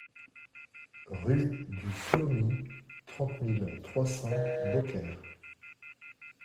Rue du Phlomis, trente mille trois cents Beaucaire